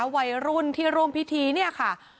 วัยรุ่นที่ร่วมพิธีเนี่ยค่ะ